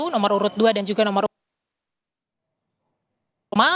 nomor urut dua dan juga nomor urut